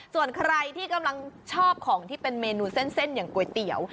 ส่วนใครที่กำลังชอบของที่เป็นเมนูเส้นอย่างก๋วยเตี๋ยว